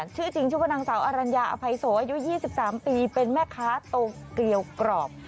ชื่อจริงชูปนังสาวอรัญญาอภัยโสอายุยี่สิบสามปีเป็นแม่ค้าโตเกียวกรอบ